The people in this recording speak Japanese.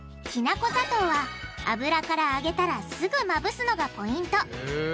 きな粉砂糖は油からあげたらすぐまぶすのがポイント。